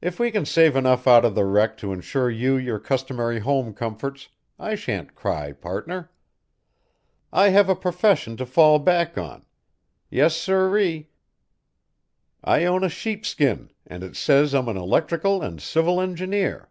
If we can save enough out of the wreck to insure you your customary home comforts, I shan't cry, partner. I have a profession to fall back on. Yes, sirree. I own a sheep skin, and it says I'm an electrical and civil engineer."